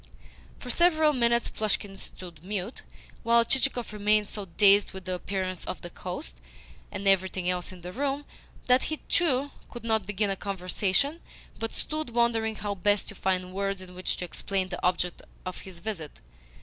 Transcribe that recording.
For several minutes Plushkin stood mute, while Chichikov remained so dazed with the appearance of the host and everything else in the room, that he too, could not begin a conversation, but stood wondering how best to find words in which to explain the object of his visit.